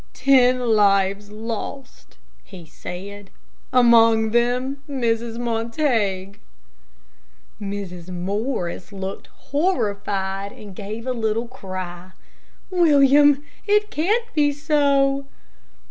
"Ten lives lost," he said; "among them Mrs. Montague." Mrs. Morris looked horrified, and gave a little cry, "William, it can't be so!"